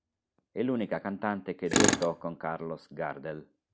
È l'unica cantante che duettò con Carlos Gardel.